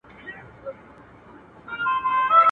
کار چي په سلا سي، بې بلا سي.